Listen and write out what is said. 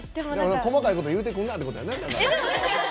細かいこと言うてくんなってことやな。